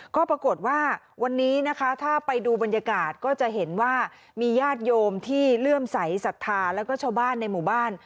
ก็ปรากฏว่าวันนี้นะคะถ้าไปดูบรรยากาศก็จะเห็นว่ามีญาติโยมที่เลื่อมใสสัทธาแล้วก็ชาวบ้านในหมู่บ้าน